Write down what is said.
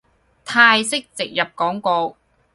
泰式植入廣告